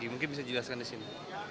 mungkin bisa dijelaskan disini